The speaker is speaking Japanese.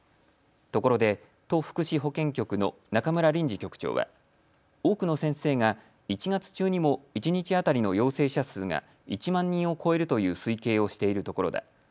ところで、都福祉保健局の中村倫治局長は多くの先生が１月中にも一日当たりの陽性者数が１万人を超えるという推計をしているところだ。